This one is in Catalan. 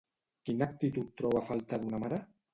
Quina actitud troba a faltar d'una mare?